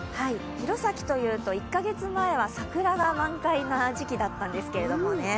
弘前というと１カ月前は桜が満開な時期だったんですけれどもね